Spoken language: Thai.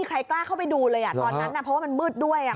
ใครกล้าเข้าไปดูเลยอ่ะตอนนั้นเพราะว่ามันมืดด้วยอ่ะ